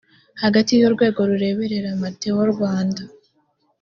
hagati y urwego rureberera metewo rwanda